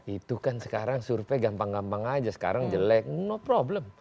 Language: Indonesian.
itu kan sekarang survei gampang gampang aja sekarang jelek no problem